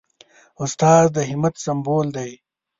استاد د همت سمبول دی.